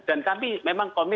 dan kami memang komitmen